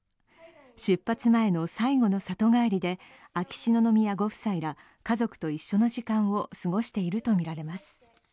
出発前の最後の里帰りで秋篠宮ご夫妻ら家族と一緒の時間を過ごしているとみられます。